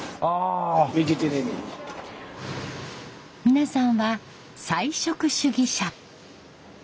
皆さんは菜食主義者。